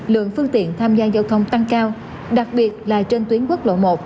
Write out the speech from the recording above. lượng phương tiện tham gia giao thông tăng cao đặc biệt là trên tuyến quốc lộ một